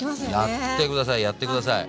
やって下さいやって下さい。